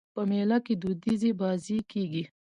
په مېله کښي دودیزي بازۍ کېږي.